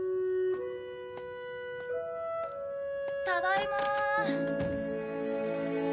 ただいま。